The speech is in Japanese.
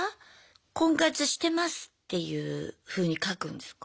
「婚活してます」っていうふうに書くんですか？